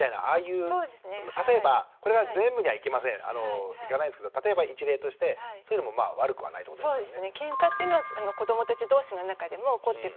例えばこれが全部にはいきませんいかないですけど例えば一例としてそういうのもまあ悪くはないってことですよね？